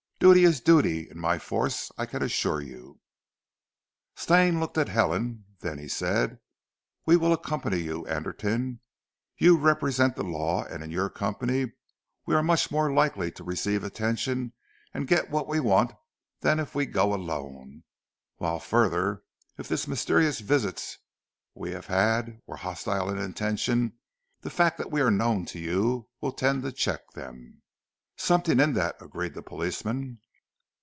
Duty is duty in my force, I can assure you." Stane looked at Helen, then he said: "We will accompany you, Anderton. You represent the law, and in your company we are much more likely to receive attention and get what we want than if we go alone, whilst further, if the mysterious visits we have had were hostile in intention, the fact that we are known to you will tend to check them." "Something in that!" agreed the policeman.